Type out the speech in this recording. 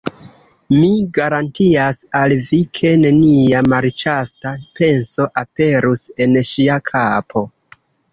Mi garantias al vi, ke nenia malĉasta penso aperus en ŝia kapo.